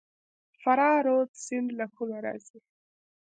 فراه رود سیند له کومه راځي؟